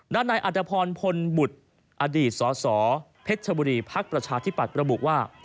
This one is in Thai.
ด้านในอัตภพรพลบุตรอดีตสสเพชรชบุรีภักดิ์ประชาธิปัตย์ประบุว่า